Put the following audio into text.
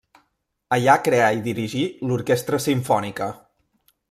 Allà creà i dirigí l'Orquestra Simfònica.